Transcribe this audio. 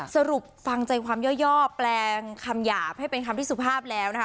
สรุปฟังใจความย่อแปลงคำหยาบให้เป็นคำที่สุภาพแล้วนะคะ